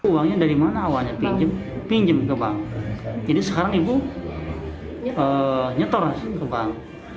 uangnya dari mana awalnya pinjam ke bank jadi sekarang ibu nyetor ke bank